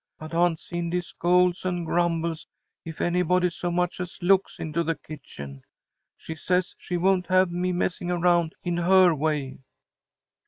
But Aunt Cindy scolds and grumbles if anybody so much as looks into the kitchen. She says she won't have me messing around in her way."